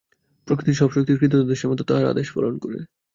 প্রকৃতির সব শক্তিই ক্রীতদাসের মত তাঁহার আদেশ পালন করে।